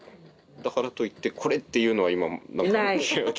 だからといってこれっていうのが今なんか。